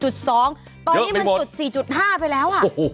ตอนนี้มันจุด๔๕ไปแล้ว